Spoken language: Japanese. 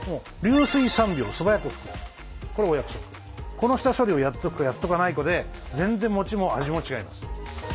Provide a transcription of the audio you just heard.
この下処理をやっとくかやっとかないかで全然もちも味も違います。